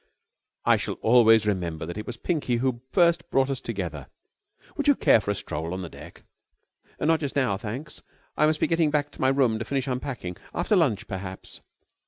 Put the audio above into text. "I shall always remember that it was Pinky who first brought us together. Would you care for a stroll on deck?" "Not just now, thanks. I must be getting back to my room to finish unpacking. After lunch, perhaps."